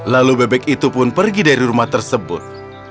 lalu bebek itu pun pergi dari rumah tersebut